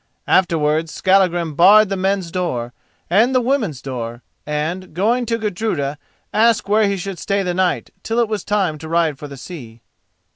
Afterwards Skallagrim barred the men's door and the women's door, and, going to Gudruda, asked where he should stay the night till it was time to ride for the sea.